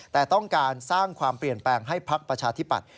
แต่ต้องการสร้างความเปลี่ยนแปลงให้พักประชาธิปัตย